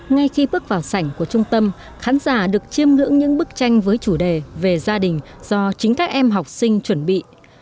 ngay khi bước vào sảnh của trung tâm khán giả được chiêm ngưỡng những bức tranh với chủ đề về gia đình do chính các em học sinh chuẩn bị